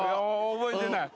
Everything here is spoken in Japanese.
覚えてない。